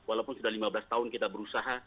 walaupun sudah lima belas tahun kita berusaha